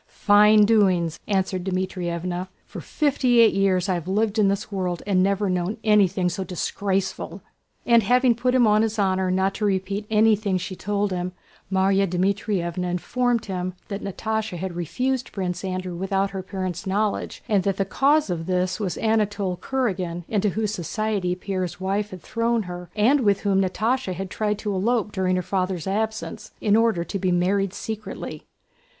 "Fine doings!" answered Dmítrievna. "For fifty eight years have I lived in this world and never known anything so disgraceful!" And having put him on his honor not to repeat anything she told him, Márya Dmítrievna informed him that Natásha had refused Prince Andrew without her parents' knowledge and that the cause of this was Anatole Kurágin into whose society Pierre's wife had thrown her and with whom Natásha had tried to elope during her father's absence, in order to be married secretly.